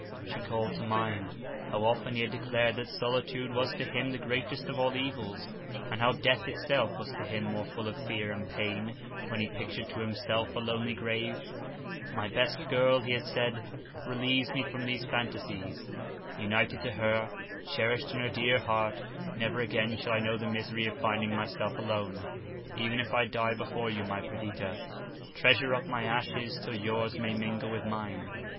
She called to mind how often he had declared that solitude was to him the greatest of all evils, and how death itself was to him more full of fear and pain when he pictured to himself a lonely grave. "My best girl," he had said, "relieves me from these phantasies. United to her, cherished in her dear heart, never again shall I know the misery of finding myself alone. Even if I die before you, my Perdita, treasure up my ashes till yours may mingle with mine.